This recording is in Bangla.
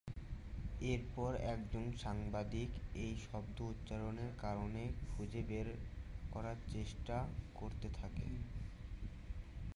এরপর একজন সাংবাদিক এই শব্দ উচ্চারণের কারণ খুঁজে বের করার চেষ্টা করতে থাকে।